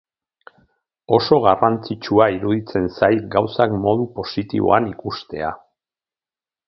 Oso garrantzitsua iruditzen zait gauzak modu positiboan ikustea.